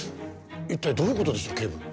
一体どういう事でしょう警部。